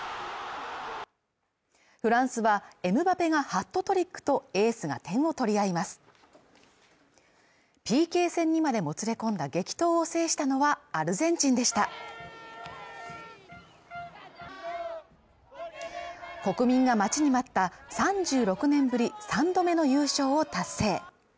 フランスはエムバペがハットトリックとエースが点を取り合いますＰＫ戦にまでもつれ込んだ激闘を制したのはアルゼンチンでした国民が待ちに待った３６年ぶり３度目の優勝を達成